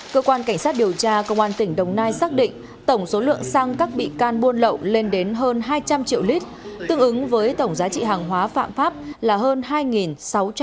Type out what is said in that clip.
cơ quan cảnh sát điều tra công an tỉnh đồng nai xác định tổng số lượng xăng các bị can buôn lậu lên đến hơn hai trăm linh triệu lít tương ứng với tổng giá trị hàng hóa phạm pháp là hơn hai sáu trăm linh